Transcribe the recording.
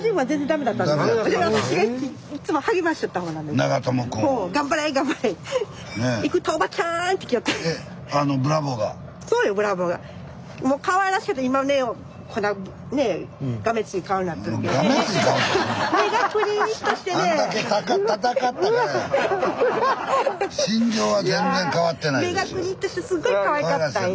目がくりっとしてすっごいかわいかったんよ。